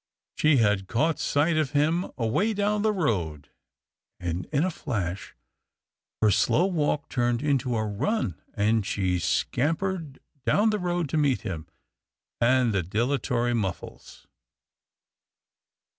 She had caught sight of him away down the road, and, in a flash, her slow walk turned into a run, and she scampered down the road to meet him, and the dilatory Muffles.